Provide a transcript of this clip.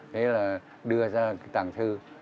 thế là đưa ra tảng thư